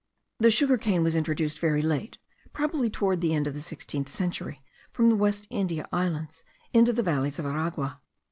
The sugar cane was introduced very late, probably towards the end of the sixteenth century, from the West India Islands, into the valleys of Aragua.